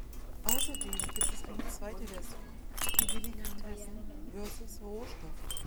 Außerdem gibt es eine zweite Version, die "Delikatessen vs Rohstoff".